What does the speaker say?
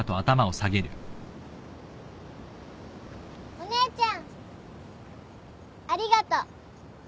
お姉ちゃんありがとう。